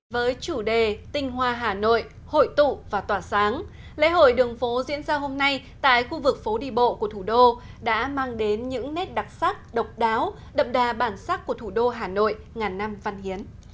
với chủ đề tinh hoa hà nội hội tụ và tỏa sáng lễ hội đường phố diễn ra hôm nay tại khu vực phố đi bộ của thủ đô đã mang đến những nét đặc sắc độc đáo đậm đà bản sắc của thủ đô hà nội ngàn năm văn hiến